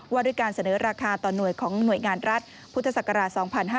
ว่าด้วยการเสนอราคาต่อหน่วยของหน่วยงานรัฐพุทธศักราช๒๕๕๙